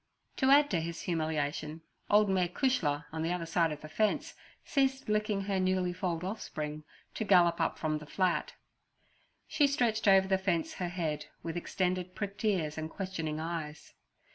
To add to his humiliation, old mare Cushla on the other side of the fence ceased licking her newly foaled offspring to gallop up from the flat. She stretched over the fence her head, with extended pricked ears and questioning eyes.